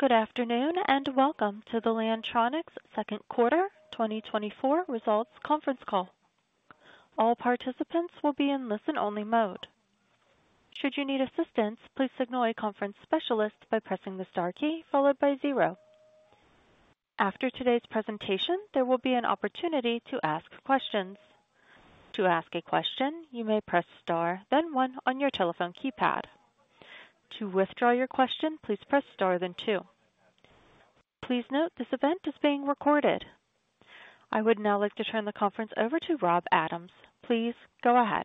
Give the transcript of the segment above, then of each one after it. Good afternoon and welcome to the Lantronix Second Quarter 2024 Results Conference Call. All participants will be in listen-only mode. Should you need assistance, please signal a conference specialist by pressing the star key followed by 0. After today's presentation, there will be an opportunity to ask questions. To ask a question, you may press star, then one on your telephone keypad. To withdraw your question, please press star, then two. Please note this event is being recorded. I would now like to turn the conference over to Rob Adams. Please go ahead.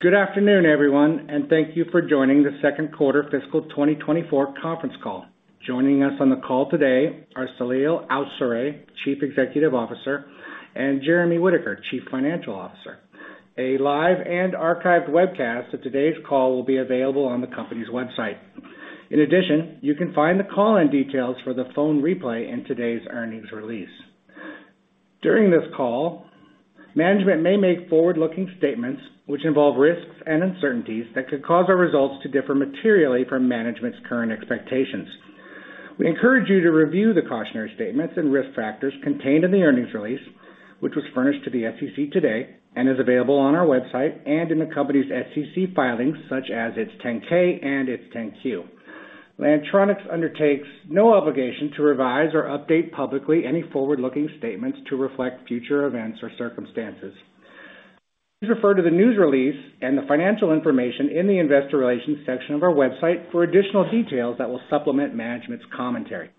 Good afternoon, everyone, and thank you for joining the second quarter fiscal 2024 conference call. Joining us on the call today are Saleel Awsare, Chief Executive Officer, and Jeremy Whitaker, Chief Financial Officer. A live and archived webcast of today's call will be available on the company's website. In addition, you can find the call-in details for the phone replay and today's earnings release. During this call, management may make forward-looking statements which involve risks and uncertainties that could cause our results to differ materially from management's current expectations. We encourage you to review the cautionary statements and risk factors contained in the earnings release, which was furnished to the SEC today and is available on our website and in the company's SEC filings such as its 10-K and its 10-Q. Lantronix undertakes no obligation to revise or update publicly any forward-looking statements to reflect future events or circumstances. Please refer to the news release and the financial information in the investor relations section of our website for additional details that will supplement management's commentary.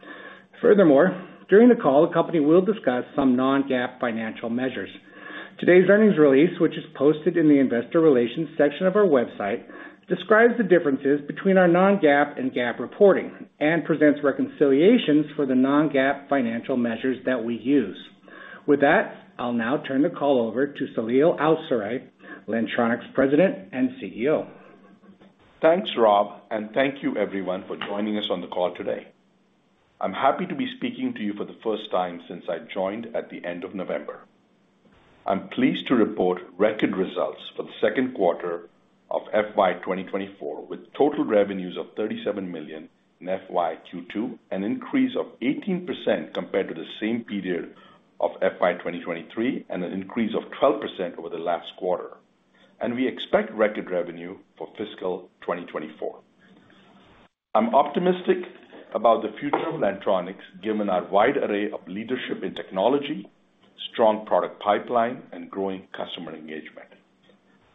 Furthermore, during the call, the company will discuss some non-GAAP financial measures. Today's earnings release, which is posted in the investor relations section of our website, describes the differences between our non-GAAP and GAAP reporting and presents reconciliations for the non-GAAP financial measures that we use. With that, I'll now turn the call over to Saleel Awsare, Lantronix President and CEO. Thanks, Rob, and thank you, everyone, for joining us on the call today. I'm happy to be speaking to you for the first time since I joined at the end of November. I'm pleased to report record results for the second quarter of FY 2024 with total revenues of $37 million in FY Q2, an increase of 18% compared to the same period of FY 2023, and an increase of 12% over the last quarter. We expect record revenue for fiscal 2024. I'm optimistic about the future of Lantronix given our wide array of leadership in technology, strong product pipeline, and growing customer engagement.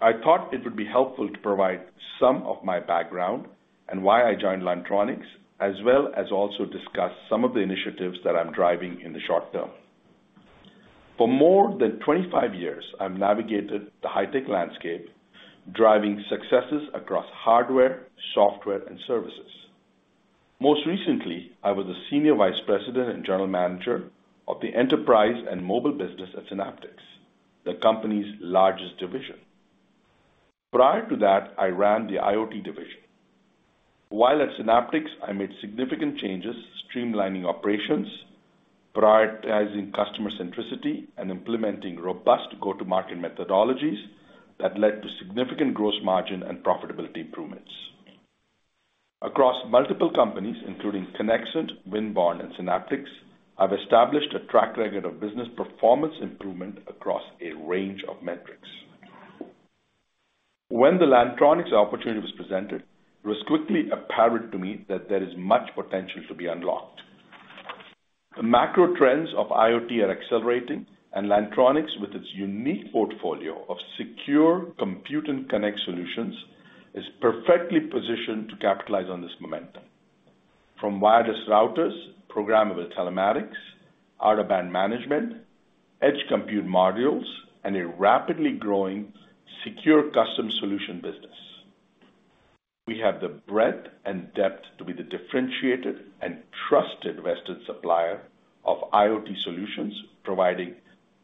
I thought it would be helpful to provide some of my background and why I joined Lantronix, as well as also discuss some of the initiatives that I'm driving in the short term. For more than 25 years, I've navigated the high-tech landscape, driving successes across hardware, software, and services. Most recently, I was a Senior Vice President and General Manager of the Enterprise and Mobile Business at Synaptics, the company's largest division. Prior to that, I ran the IoT division. While at Synaptics, I made significant changes streamlining operations, prioritizing customer centricity, and implementing robust go-to-market methodologies that led to significant gross margin and profitability improvements. Across multiple companies, including Conexant, Winbond, and Synaptics, I've established a track record of business performance improvement across a range of metrics. When the Lantronix opportunity was presented, it was quickly apparent to me that there is much potential to be unlocked. The macro trends of IoT are accelerating, and Lantronix, with its unique portfolio of secure compute and connect solutions, is perfectly positioned to capitalize on this momentum from wireless routers, programmable telematics, out-of-band management, edge compute modules, and a rapidly growing secure custom solution business. We have the breadth and depth to be the differentiated and trusted Western supplier of IoT solutions, providing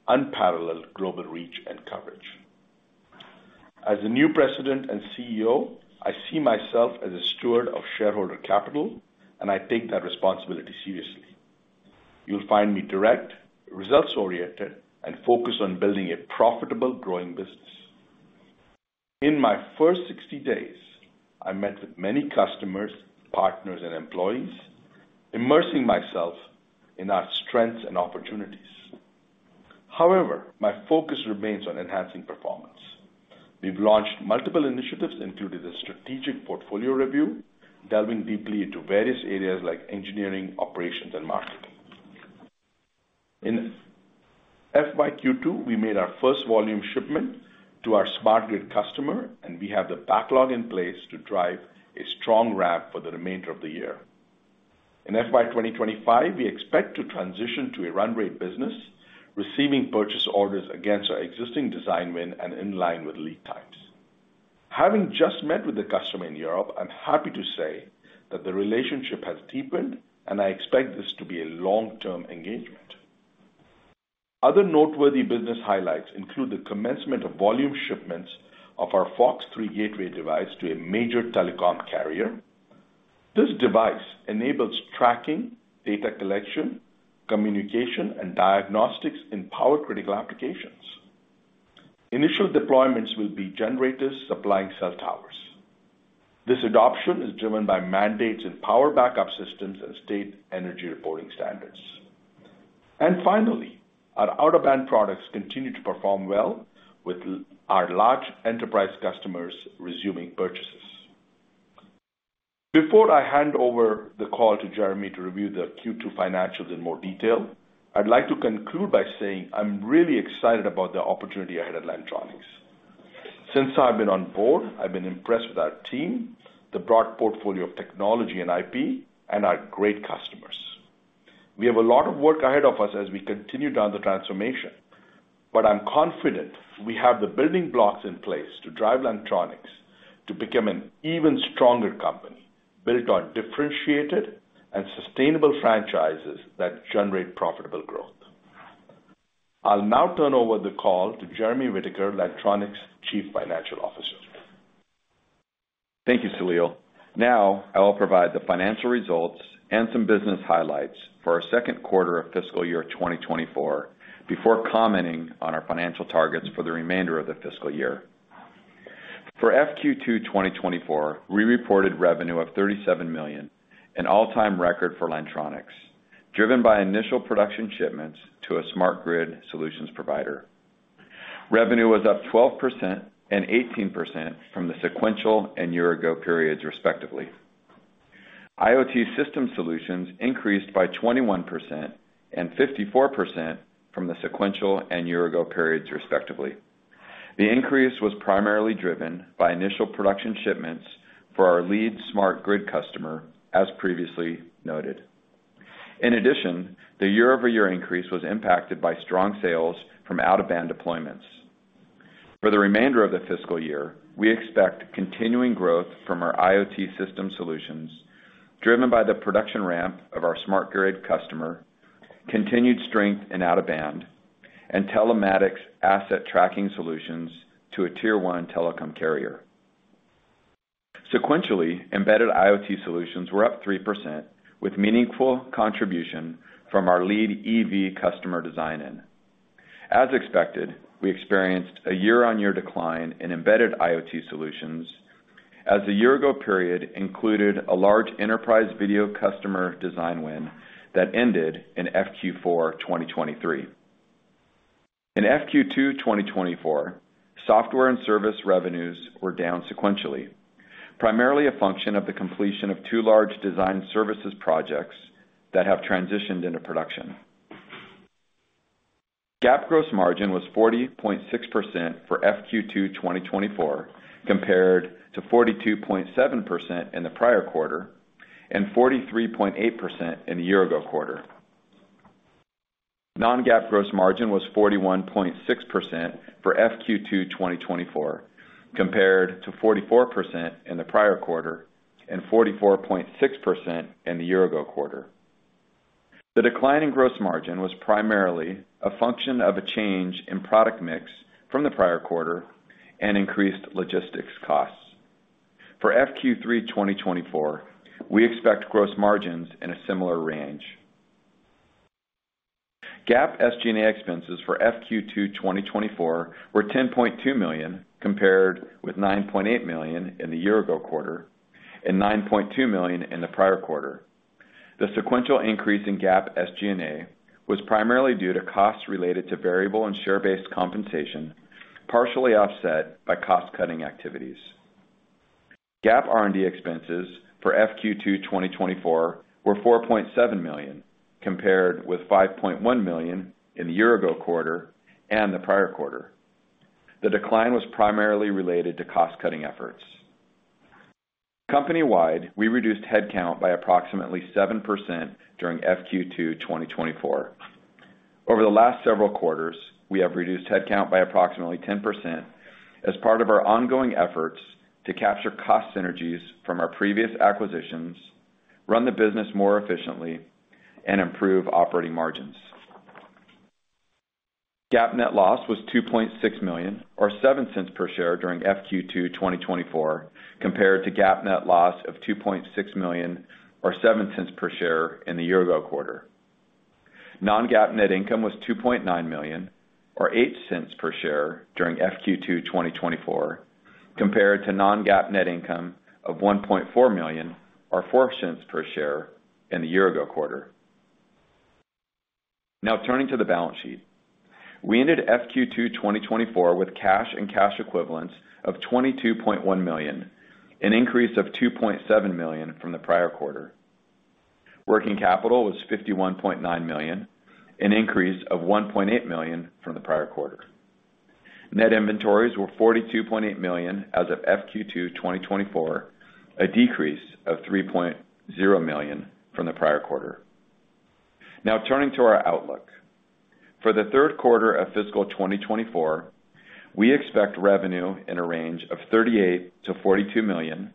unparalleled global reach and coverage. As the new President and CEO, I see myself as a steward of shareholder capital, and I take that responsibility seriously. You'll find me direct, results-oriented, and focused on building a profitable, growing business. In my first 60 days, I met with many customers, partners, and employees, immersing myself in our strengths and opportunities. However, my focus remains on enhancing performance. We've launched multiple initiatives, including a strategic portfolio review delving deeply into various areas like engineering, operations, and marketing. In FY Q2, we made our first volume shipment to our smart grid customer, and we have the backlog in place to drive a strong ramp for the remainder of the year. In FY 2025, we expect to transition to a run-rate business, receiving purchase orders against our existing design win and in line with lead times. Having just met with the customer in Europe, I'm happy to say that the relationship has deepened, and I expect this to be a long-term engagement. Other noteworthy business highlights include the commencement of volume shipments of our FOX3 Gateway device to a major telecom carrier. This device enables tracking, data collection, communication, and diagnostics in power-critical applications. Initial deployments will be generators supplying cell towers. This adoption is driven by mandates in power backup systems and state energy reporting standards. Finally, our out-of-band products continue to perform well, with our large enterprise customers resuming purchases. Before I hand over the call to Jeremy to review the Q2 financials in more detail, I'd like to conclude by saying I'm really excited about the opportunity ahead at Lantronix. Since I've been on board, I've been impressed with our team, the broad portfolio of technology and IP, and our great customers. We have a lot of work ahead of us as we continue down the transformation, but I'm confident we have the building blocks in place to drive Lantronix to become an even stronger company built on differentiated and sustainable franchises that generate profitable growth. I'll now turn over the call to Jeremy Whitaker, Lantronix Chief Financial Officer. Thank you, Saleel. Now I will provide the financial results and some business highlights for our second quarter of fiscal year 2024 before commenting on our financial targets for the remainder of the fiscal year. For FQ2 2024, we reported revenue of $37 million, an all-time record for Lantronix, driven by initial production shipments to a smart grid solutions provider. Revenue was up 12% and 18% from the sequential and year-over-year periods, respectively. IoT system solutions increased by 21% and 54% from the sequential and year-over-year periods, respectively. The increase was primarily driven by initial production shipments for our lead smart grid customer, as previously noted. In addition, the year-over-year increase was impacted by strong sales from out-of-band deployments. For the remainder of the fiscal year, we expect continuing growth from our IoT system solutions, driven by the production ramp of our smart grid customer, continued strength in out-of-band, and telematics asset tracking solutions to a Tier 1 telecom carrier. Sequentially, embedded IoT solutions were up 3% with meaningful contribution from our lead EV customer design-in. As expected, we experienced a year-on-year decline in embedded IoT solutions as the year-ago period included a large enterprise video customer design win that ended in FQ4 2023. In FQ2 2024, software and service revenues were down sequentially, primarily a function of the completion of two large design services projects that have transitioned into production. GAAP gross margin was 40.6% for FQ2 2024 compared to 42.7% in the prior quarter and 43.8% in the year-ago quarter. Non-GAAP gross margin was 41.6% for FQ2 2024 compared to 44% in the prior quarter and 44.6% in the year-ago quarter. The decline in gross margin was primarily a function of a change in product mix from the prior quarter and increased logistics costs. For FQ3 2024, we expect gross margins in a similar range. GAAP SG&A expenses for FQ2 2024 were $10.2 million compared with $9.8 million in the year-ago quarter and $9.2 million in the prior quarter. The sequential increase in GAAP SG&A was primarily due to costs related to variable and share-based compensation, partially offset by cost-cutting activities. GAAP R&D expenses for FQ2 2024 were $4.7 million compared with $5.1 million in the year-ago quarter and the prior quarter. The decline was primarily related to cost-cutting efforts. Company-wide, we reduced headcount by approximately 7% during FQ2 2024. Over the last several quarters, we have reduced headcount by approximately 10% as part of our ongoing efforts to capture cost synergies from our previous acquisitions, run the business more efficiently, and improve operating margins. GAAP net loss was $2.6 million or $0.07 per share during FQ2 2024 compared to GAAP net loss of $2.6 million or $0.07 per share in the year-ago quarter. Non-GAAP net income was $2.9 million or $0.08 per share during FQ2 2024 compared to non-GAAP net income of $1.4 million or $0.04 per share in the year-ago quarter. Now turning to the balance sheet, we ended FQ2 2024 with cash and cash equivalents of $22.1 million, an increase of $2.7 million from the prior quarter. Working capital was $51.9 million, an increase of $1.8 million from the prior quarter. Net inventories were $42.8 million as of FQ2 2024, a decrease of $3.0 million from the prior quarter. Now turning to our outlook, for the third quarter of fiscal 2024, we expect revenue in a range of $38-$42 million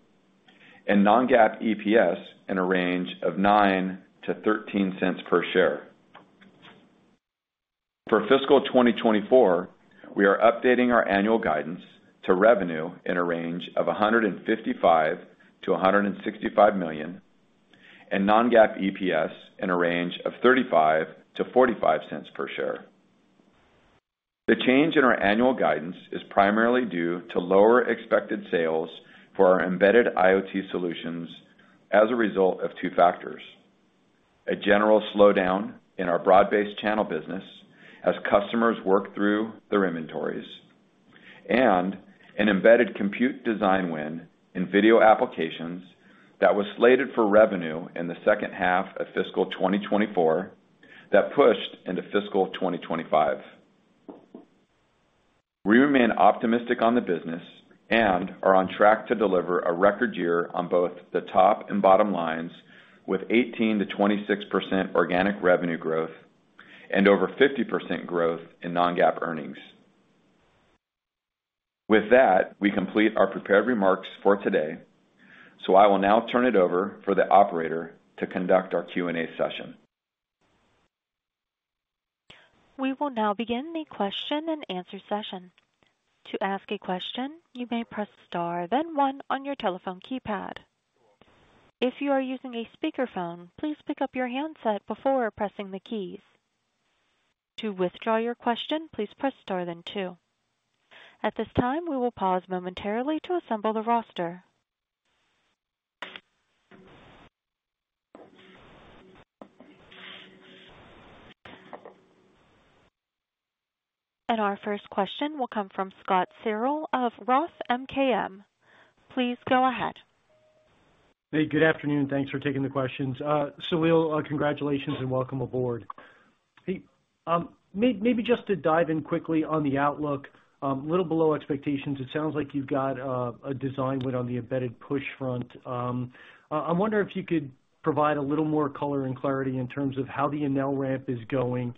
and non-GAAP EPS in a range of $0.09-$0.13 per share. For fiscal 2024, we are updating our annual guidance to revenue in a range of $155-$165 million and non-GAAP EPS in a range of $0.35-$0.45 per share. The change in our annual guidance is primarily due to lower expected sales for our embedded IoT solutions as a result of two factors: a general slowdown in our broad-based channel business as customers work through their inventories and an embedded compute design win in video applications that was slated for revenue in the second half of fiscal 2024 that pushed into fiscal 2025. We remain optimistic on the business and are on track to deliver a record year on both the top and bottom lines with 18%-26% organic revenue growth and over 50% growth in non-GAAP earnings. With that, we complete our prepared remarks for today, so I will now turn it over for the operator to conduct our Q&A session. We will now begin the question and answer session. To ask a question, you may press star, then one on your telephone keypad. If you are using a speakerphone, please pick up your handset before pressing the keys. To withdraw your question, please press star, then two. At this time, we will pause momentarily to assemble the roster. Our first question will come from Scott Searle of Roth MKM. Please go ahead. Hey, good afternoon. Thanks for taking the questions. Saleel, congratulations and welcome aboard. Maybe just to dive in quickly on the outlook, a little below expectations, it sounds like you've got a design win on the embedded push front. I wonder if you could provide a little more color and clarity in terms of how the Enel ramp is going,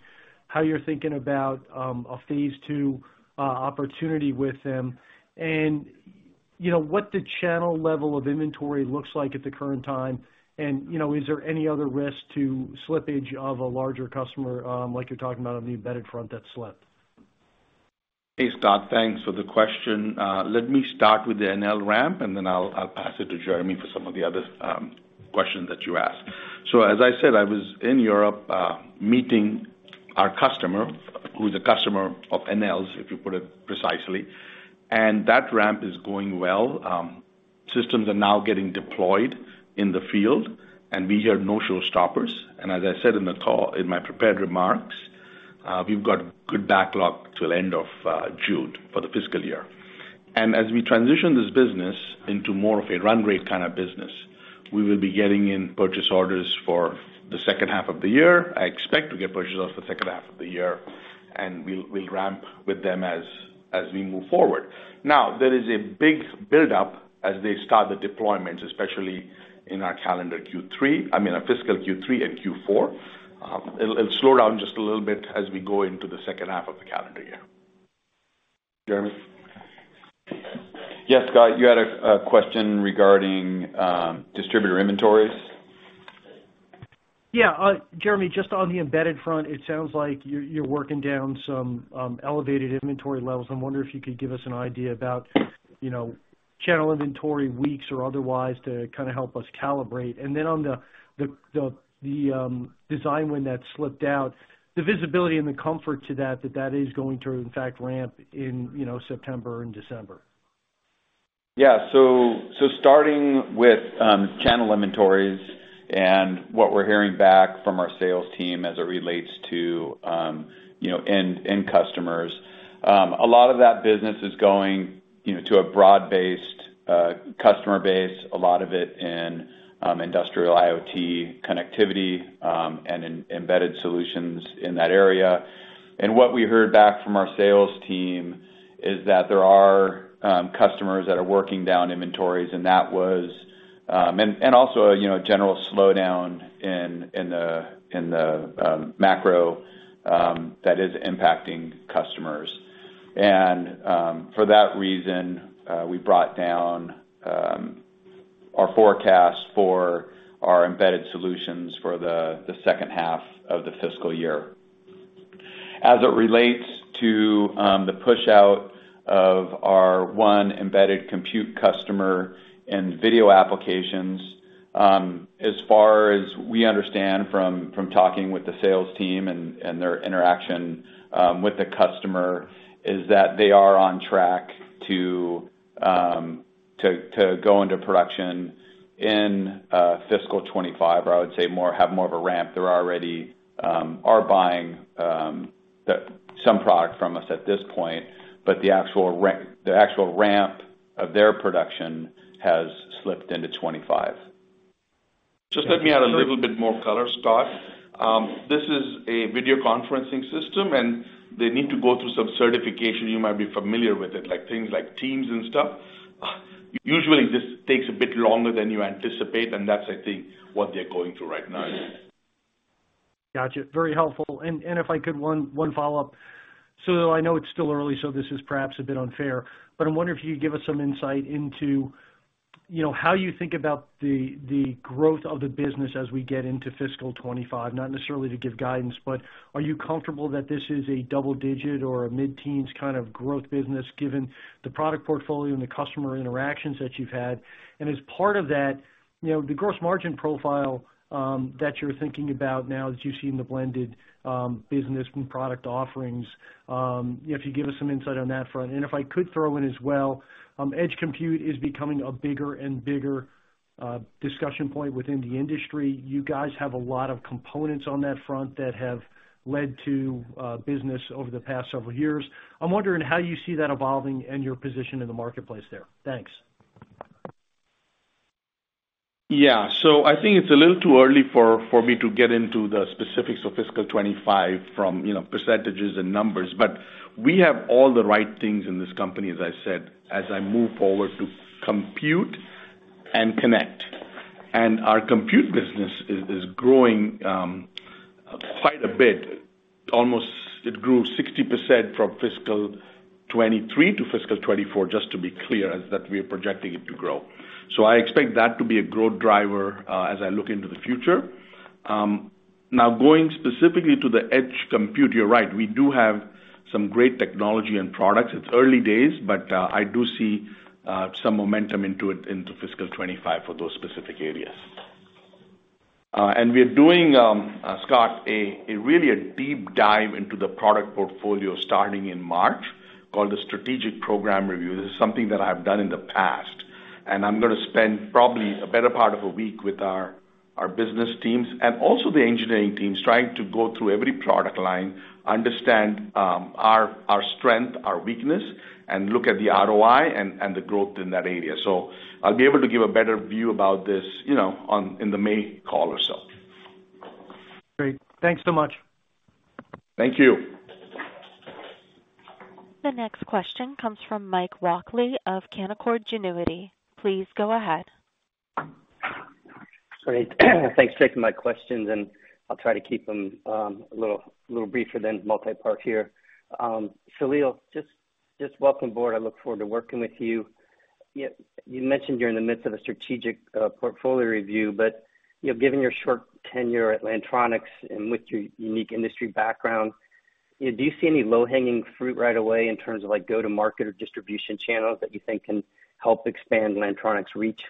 how you're thinking about a phase two opportunity with them, and what the channel level of inventory looks like at the current time, and is there any other risk to slippage of a larger customer like you're talking about on the embedded front that slipped? Hey, Scott. Thanks for the question. Let me start with the Enel ramp, and then I'll pass it to Jeremy for some of the other questions that you asked. So as I said, I was in Europe meeting our customer, who's a customer of Enel's, if you put it precisely, and that ramp is going well. Systems are now getting deployed in the field, and we hear no showstoppers. And as I said in my prepared remarks, we've got good backlog till the end of June for the fiscal year. And as we transition this business into more of a run-rate kind of business, we will be getting in purchase orders for the second half of the year. I expect to get purchase orders for the second half of the year, and we'll ramp with them as we move forward. Now, there is a big buildup as they start the deployments, especially in our calendar Q3 I mean, our fiscal Q3 and Q4. It'll slow down just a little bit as we go into the second half of the calendar year. Jeremy? Yes, Scott. You had a question regarding distributor inventories. Yeah. Jeremy, just on the embedded front, it sounds like you're working down some elevated inventory levels. I wonder if you could give us an idea about channel inventory weeks or otherwise to kind of help us calibrate. And then on the design win that slipped out, the visibility and the comfort to that, that that is going to, in fact, ramp in September and December. Yeah. So starting with channel inventories and what we're hearing back from our sales team as it relates to end customers, a lot of that business is going to a broad-based customer base, a lot of it in industrial IoT connectivity and embedded solutions in that area. And what we heard back from our sales team is that there are customers that are working down inventories, and that was and also a general slowdown in the macro that is impacting customers. And for that reason, we brought down our forecast for our embedded solutions for the second half of the fiscal year. As it relates to the push out of our one embedded compute customer in video applications, as far as we understand from talking with the sales team and their interaction with the customer, is that they are on track to go into production in fiscal 2025 or I would say have more of a ramp. They already are buying some product from us at this point, but the actual ramp of their production has slipped into 2025. Just let me add a little bit more color, Scott. This is a video conferencing system, and they need to go through some certification. You might be familiar with it, things like Teams and stuff. Usually, this takes a bit longer than you anticipate, and that's, I think, what they're going through right now. Gotcha. Very helpful. If I could, one follow-up. Saleel, I know it's still early, so this is perhaps a bit unfair, but I wonder if you could give us some insight into how you think about the growth of the business as we get into fiscal 2025, not necessarily to give guidance, but are you comfortable that this is a double-digit or a mid-teens kind of growth business given the product portfolio and the customer interactions that you've had? And as part of that, the gross margin profile that you're thinking about now that you've seen the blended business and product offerings, if you give us some insight on that front. If I could throw in as well, edge compute is becoming a bigger and bigger discussion point within the industry. You guys have a lot of components on that front that have led to business over the past several years. I'm wondering how you see that evolving and your position in the marketplace there. Thanks. Yeah. So I think it's a little too early for me to get into the specifics of fiscal 2025 from percentages and numbers, but we have all the right things in this company, as I said, as I move forward to compute and connect. Our compute business is growing quite a bit. It grew 60% from fiscal 2023 to fiscal 2024, just to be clear, as we are projecting it to grow. So I expect that to be a growth driver as I look into the future. Now, going specifically to the edge compute, you're right. We do have some great technology and products. It's early days, but I do see some momentum into fiscal 2025 for those specific areas. And we are doing, Scott, really a deep dive into the product portfolio starting in March called the strategic program review. This is something that I have done in the past, and I'm going to spend probably a better part of a week with our business teams and also the engineering teams trying to go through every product line, understand our strength, our weakness, and look at the ROI and the growth in that area. So I'll be able to give a better view about this in the May call or so. Great. Thanks so much. Thank you. The next question comes from Mike Walkley of Canaccord Genuity. Please go ahead. Great. Thanks for taking my questions, and I'll try to keep them a little briefer than multi-part here. Saleel, just welcome aboard. I look forward to working with you. You mentioned you're in the midst of a strategic portfolio review, but given your short tenure at Lantronix and with your unique industry background, do you see any low-hanging fruit right away in terms of go-to-market or distribution channels that you think can help expand Lantronix' reach?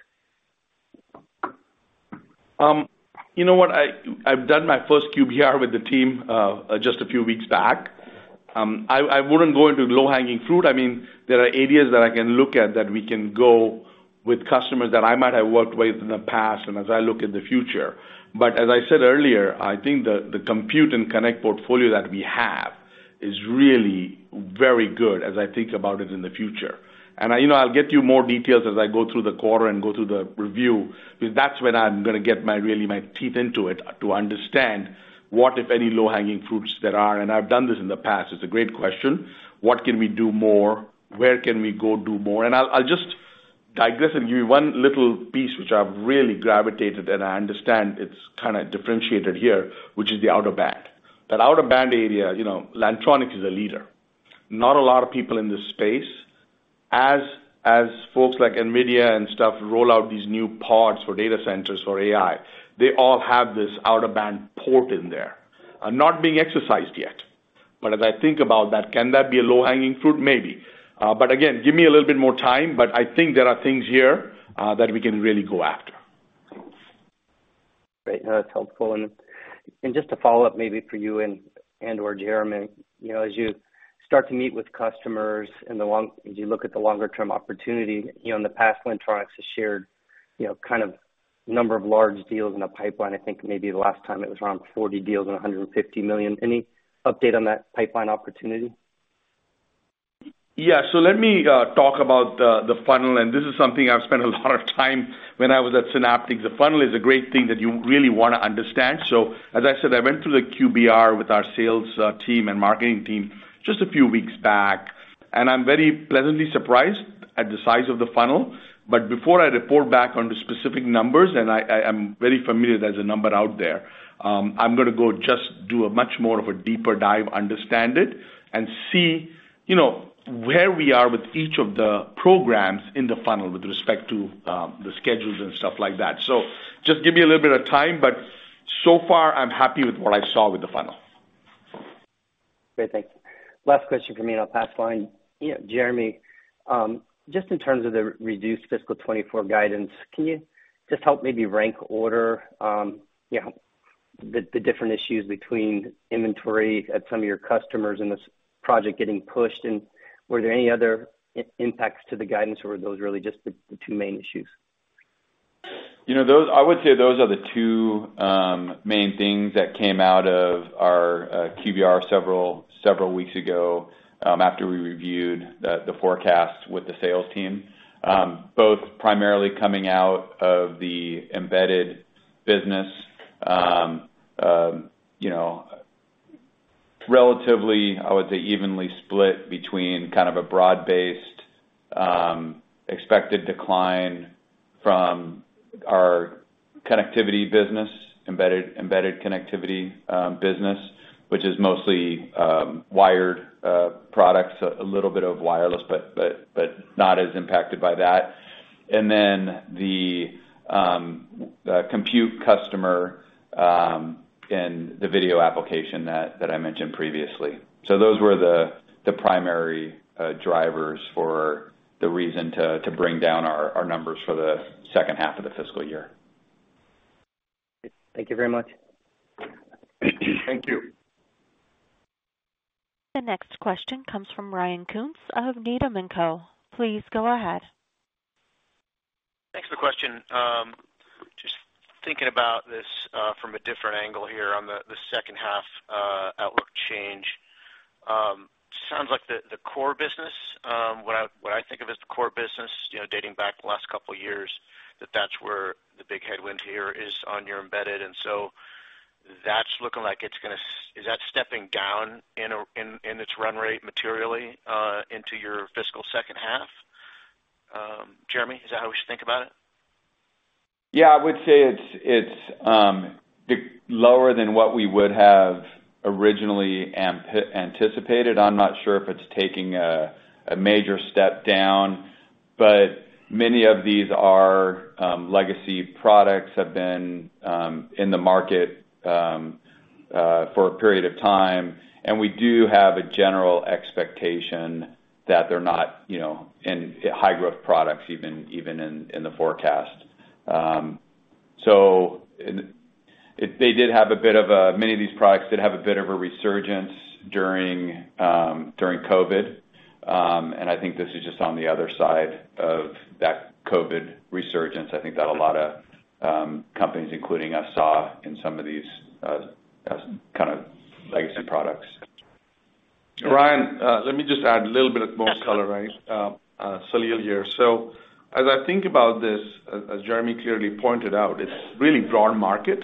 You know what? I've done my first QBR with the team just a few weeks back. I wouldn't go into low-hanging fruit. I mean, there are areas that I can look at that we can go with customers that I might have worked with in the past and as I look in the future. But as I said earlier, I think the compute and connect portfolio that we have is really very good as I think about it in the future. And I'll get you more details as I go through the quarter and go through the review because that's when I'm going to get really my teeth into it to understand what, if any, low-hanging fruits there are. And I've done this in the past. It's a great question. What can we do more? Where can we go do more? And I'll just digress and give you one little piece which I've really gravitated and I understand it's kind of differentiated here, which is the out-of-band. That out-of-band area, Lantronix is a leader. Not a lot of people in this space, as folks like NVIDIA and stuff roll out these new pods for data centers for AI, they all have this out-of-band port in there. Not being exercised yet. But as I think about that, can that be a low-hanging fruit? Maybe. But again, give me a little bit more time, but I think there are things here that we can really go after. Great. No, that's helpful. And just a follow-up maybe for you and/or Jeremy. As you start to meet with customers and you look at the longer-term opportunity, in the past, Lantronix has shared kind of a number of large deals in a pipeline. I think maybe the last time it was around 40 deals and $150 million. Any update on that pipeline opportunity? Yeah. So let me talk about the funnel. This is something I've spent a lot of time when I was at Synaptics. The funnel is a great thing that you really want to understand. So as I said, I went through the QBR with our sales team and marketing team just a few weeks back, and I'm very pleasantly surprised at the size of the funnel. But before I report back on the specific numbers - and I'm very familiar there's a number out there - I'm going to go just do much more of a deeper dive, understand it, and see where we are with each of the programs in the funnel with respect to the schedules and stuff like that. So just give me a little bit of time, but so far, I'm happy with what I saw with the funnel. Great. Thanks. Last question for me, and I'll pass it on. Jeremy, just in terms of the reduced fiscal 2024 guidance, can you just help maybe rank order the different issues between inventory at some of your customers and this project getting pushed? And were there any other impacts to the guidance, or were those really just the two main issues? I would say those are the two main things that came out of our QBR several weeks ago after we reviewed the forecast with the sales team, both primarily coming out of the embedded business, relatively, I would say, evenly split between kind of a broad-based expected decline from our connectivity business, embedded connectivity business, which is mostly wired products, a little bit of wireless, but not as impacted by that, and then the compute customer and the video application that I mentioned previously. So those were the primary drivers for the reason to bring down our numbers for the second half of the fiscal year. Great. Thank you very much. Thank you. The next question comes from Ryan Koontz of Needham & Co. Please go ahead. Thanks for the question. Just thinking about this from a different angle here on the second-half outlook change, it sounds like the core business what I think of as the core business dating back the last couple of years, that that's where the big headwind here is on your embedded. And so that's looking like it's going to is that stepping down in its run rate materially into your fiscal second half? Jeremy, is that how you should think about it? Yeah. I would say it's lower than what we would have originally anticipated. I'm not sure if it's taking a major step down, but many of these legacy products have been in the market for a period of time, and we do have a general expectation that they're not high-growth products even in the forecast. So many of these products did have a bit of a resurgence during COVID, and I think this is just on the other side of that COVID resurgence. I think that a lot of companies, including us, saw in some of these kind of legacy products. Ryan, let me just add a little bit of more color, right? Saleel here. So as I think about this, as Jeremy clearly pointed out, it's really broad market,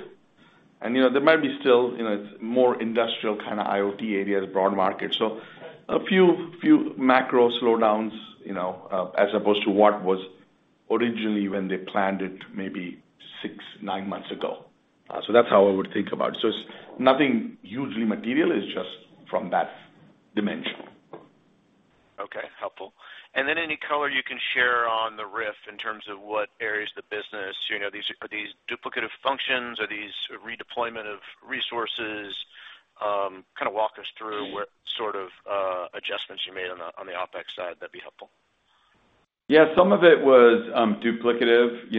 and there might be still it's more industrial kind of IoT areas, broad market. So a few macro slowdowns as opposed to what was originally when they planned it maybe 6-9 months ago. So that's how I would think about it. So it's nothing hugely material. It's just from that dimension. Okay. Helpful. And then any color you can share on the RIF in terms of what areas of the business are these duplicative functions? Are these redeployment of resources? Kind of walk us through what sort of adjustments you made on the OpEx side. That'd be helpful. Yeah. Some of it was duplicative.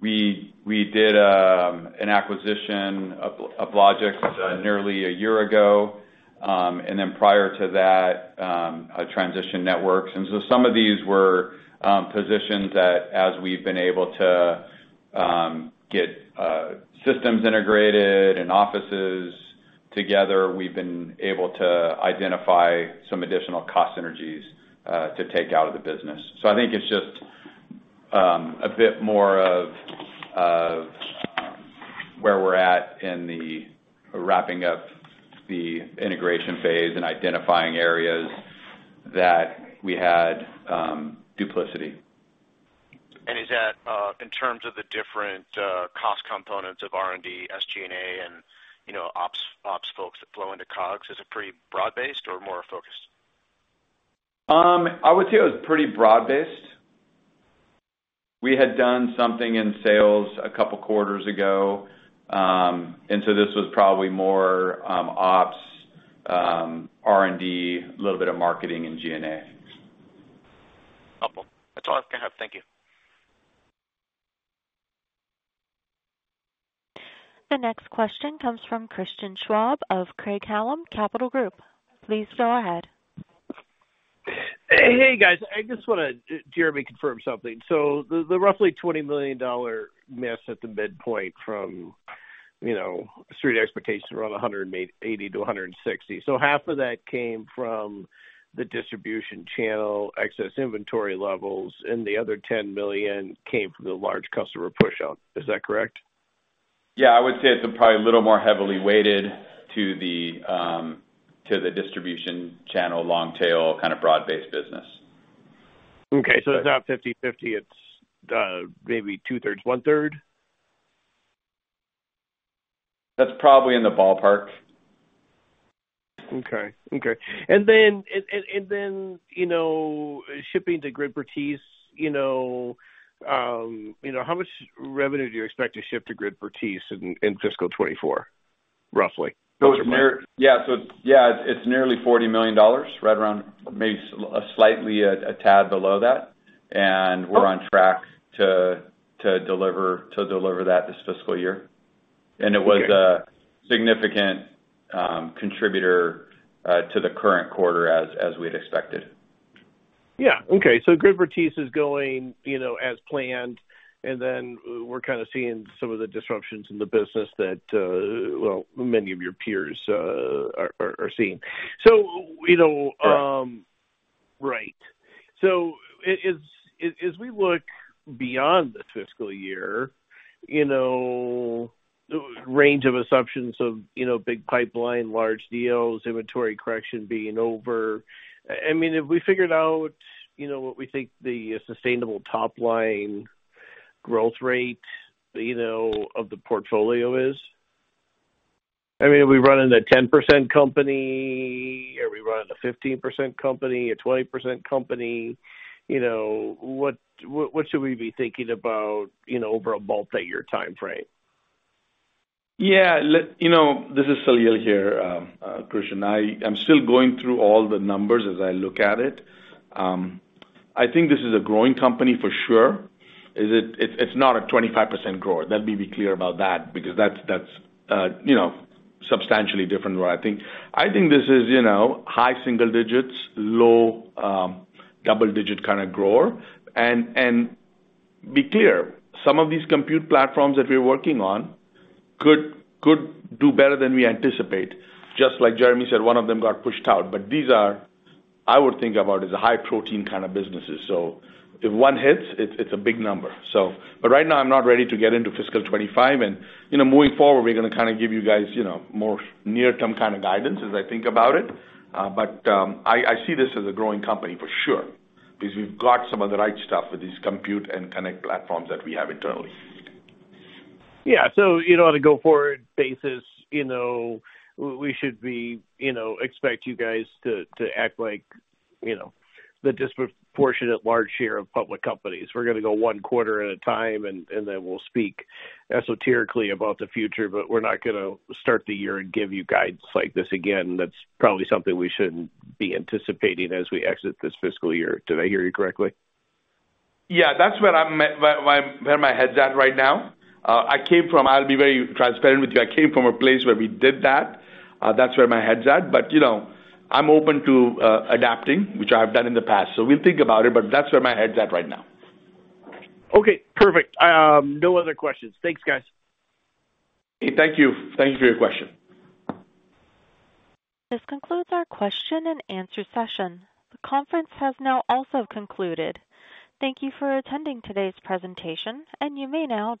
We did an acquisition of Uplogix nearly a year ago, and then prior to that, Transition Networks. And so some of these were positions that as we've been able to get systems integrated and offices together, we've been able to identify some additional cost synergies to take out of the business. So I think it's just a bit more of where we're at in wrapping up the integration phase and identifying areas that we had duplication. And is that in terms of the different cost components of R&D, SG&A, and ops folks that flow into COGS? Is it pretty broad-based or more focused? I would say it was pretty broad-based. We had done something in sales a couple quarters ago, and so this was probably more ops, R&D, a little bit of marketing, and G&A. Helpful. That's all I can have. Thank you. The next question comes from Christian Schwab of Craig-Hallum Capital Group. Please go ahead. Hey, guys. I just want to, Jeremy, confirm something. So the roughly $20 million missed at the midpoint from street expectations were on $180-$160 million. So half of that came from the distribution channel excess inventory levels, and the other $10 million came from the large customer push-out. Is that correct? Yeah. I would say it's probably a little more heavily weighted to the distribution channel long-tail kind of broad-based business. Okay. So it's not 50/50. It's maybe two-thirds, one-third? That's probably in the ballpark. Okay. Okay. And then shipping to Gridspertise, how much revenue do you expect to ship to Gridspertise in fiscal 2024, roughly? Those are my questions. Yeah. So yeah, it's nearly $40 million, right around maybe slightly a tad below that, and we're on track to deliver that this fiscal year. And it was a significant contributor to the current quarter as we had expected. Yeah. Okay. So Gridspertise is going as planned, and then we're kind of seeing some of the disruptions in the business that, well, many of your peers are seeing. So right. So as we look beyond this fiscal year, range of assumptions of big pipeline, large deals, inventory correction being over I mean, have we figured out what we think the sustainable top-line growth rate of the portfolio is? I mean, are we running a 10% company? Are we running a 15% company, a 20% company? What should we be thinking about over a multi-year timeframe? Yeah. This is Saleel here, Christian. I'm still going through all the numbers as I look at it. I think this is a growing company for sure. It's not a 25% grower. Let me be clear about that because that's substantially different than what I think. I think this is high single-digits, low double-digit kind of grower. And be clear, some of these compute platforms that we're working on could do better than we anticipate. Just like Jeremy said, one of them got pushed out, but these are I would think about as high-protein kind of businesses. So if one hits, it's a big number. But right now, I'm not ready to get into fiscal 2025, and moving forward, we're going to kind of give you guys more near-term kind of guidance as I think about it. But I see this as a growing company for sure because we've got some of the right stuff with these compute and connect platforms that we have internally. Yeah. So on a go-forward basis, we should expect you guys to act like the disproportionate large share of public companies. We're going to go one quarter at a time, and then we'll speak esoterically about the future, but we're not going to start the year and give you guides like this again. That's probably something we shouldn't be anticipating as we exit this fiscal year. Did I hear you correctly? Yeah. That's where my head's at right now. I'll be very transparent with you. I came from a place where we did that. That's where my head's at. But I'm open to adapting, which I've done in the past. So we'll think about it, but that's where my head's at right now. Okay. Perfect. No other questions. Thanks, guys. Thank you. Thank you for your question. This concludes our question-and-answer session. The conference has now also concluded. Thank you for attending today's presentation, and you may now.